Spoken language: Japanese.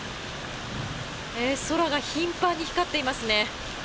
空が頻繁に光っていますね。